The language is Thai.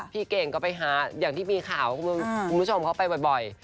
พี่เก่งก็ไปหาอย่างที่มีข่าวคุณผู้ชมเขาไปบ่อย